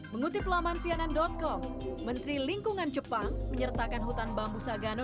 mengutip laman cnn com menteri lingkungan jepang menyertakan hutan bambu sagano